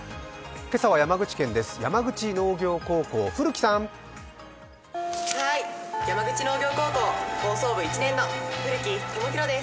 今朝は山口県です。